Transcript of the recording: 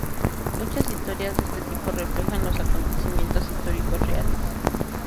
Muchas historias de este tipo reflejan los acontecimientos históricos reales.